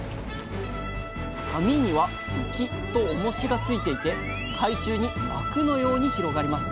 網には浮きと重しがついていて海中に幕のように広がります